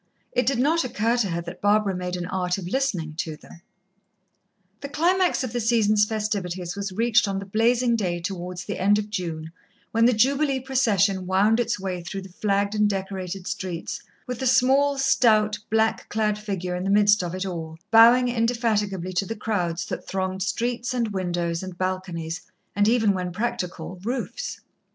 It did not occur to her that Barbara made an art of listening to them. The climax of the season's festivities was reached on the blazing day towards the end of June, when the Jubilee procession wound its way through the flagged and decorated streets, with the small, stout, black clad figure in the midst of it all, bowing indefatigably to the crowds that thronged streets and windows and balconies and even, when practical roofs.